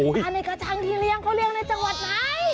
ปลาในกระชังที่เลี้ยงเขาเลี้ยงในจังหวัดไหน